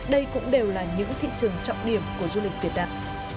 đây cũng đều là những thị trường trọng điểm của du lịch việt nam